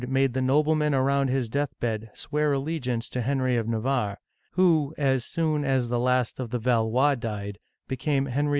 made the noblemen around his deathbed swear allegiance to Henry of Navarre, who, as soon as the last of the Valois died, became Henry IV.